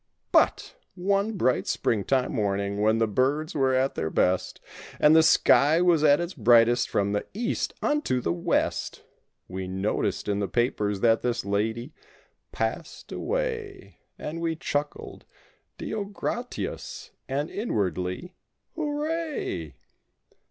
But! One bright spring time morning when the birds were at their best And the sky was at its brightest from the east unto the west, We noticed in the papers that this lady "passed away" And we chuckled—"Deo gratias!" and, inwardly —"Hooray!"